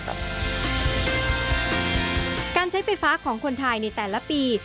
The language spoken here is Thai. การใช้ไฟฟ้าของคนไทยในแต่ละปี